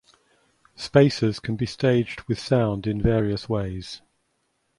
Spaces can be staged with sound in various ways.